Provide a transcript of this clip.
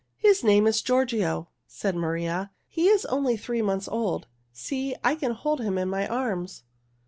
"His name is Giorgio," said Maria. "He is only three months old. See, I can hold him in my arms."